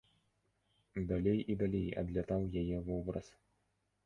Далей і далей адлятаў яе вобраз.